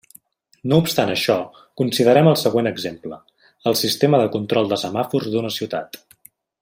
No obstant això, considerem el següent exemple: el sistema de control de semàfors d'una ciutat.